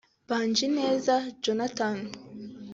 Mbanjineza Jonathan